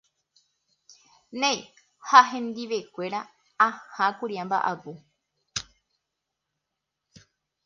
néi ha hendivekuéra ahákuri amba’apo